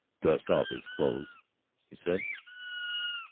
"Dust off his clothes," he said.